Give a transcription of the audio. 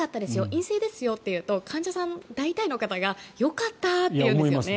陰性ですよっていう患者さん、大体の方がよかったと思うんですよね。